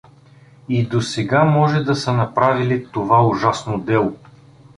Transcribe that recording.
И досега може да са направили това ужасно дело!